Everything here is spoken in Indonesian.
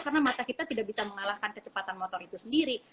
karena mata kita tidak bisa mengalahkan kecepatan motor itu sendiri